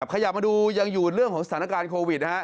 ขยับมาดูยังอยู่เรื่องของสถานการณ์โควิดนะฮะ